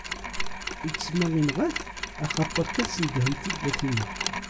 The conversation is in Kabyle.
Ittemma inɣa-t axateṛ kan snedhen-t-id ad t-ineɣ.